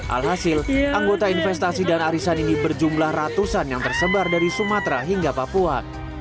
alhasil anggota investasi dan arisan ini berjumlah ratusan yang tersebar dari sumatera hingga papua